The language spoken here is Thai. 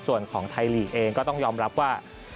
ส่วนของไทยลีกเองก็ต้องยอมรับว่า